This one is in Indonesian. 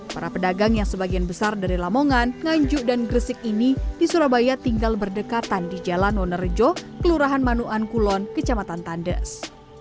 para pedagang yang sebagian besar dari lamongan nganjuk dan gresik ini di surabaya tinggal berdekatan di jalan wonerjo kelurahan manuan kulon kecamatan tandes